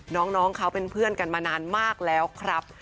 น้องเขาเป็นเพื่อนกันมานานมากแล้วครับ